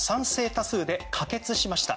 多数で可決しました。